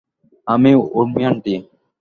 আমি উর্মি আন্টি।